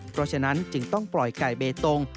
เพราะฉะนั้นจึงต้องปล่อยไก่เบตง